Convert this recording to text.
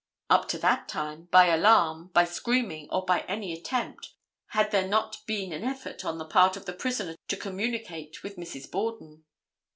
Up to that time, by alarm, by screaming or by any attempt had there not been an effort on the part of the prisoner to communicate with Mrs. Borden.